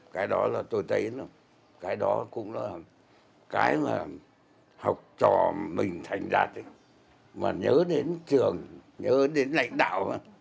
cái đó là tôi thấy là cái đó cũng là cái mà học trò mình thành đạt mà nhớ đến trường nhớ đến lãnh đạo